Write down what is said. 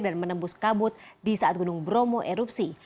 dan menembus kabut di saat gunung bromo erupsi